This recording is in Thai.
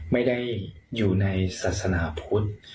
ไม่ได้อยู่ในศาสนาพุทธ